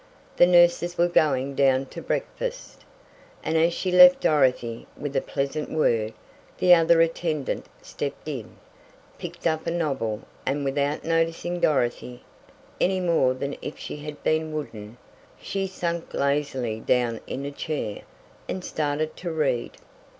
The nurses were going down to breakfast, and as she left Dorothy, with a pleasant word, the other attendant stepped in, picked up a novel, and without noticing Dorothy, any more than if she had been wooden, she sank lazily down in a chair, and started to read.